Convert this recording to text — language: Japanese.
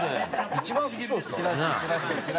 一番好きそうですか？